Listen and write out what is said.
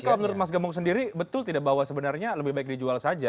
tapi kalau menurut mas gembong sendiri betul tidak bahwa sebenarnya lebih baik dijual saja